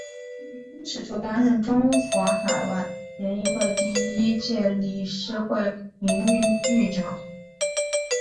此外担任中华海外联谊会第一届理事会名誉会长等。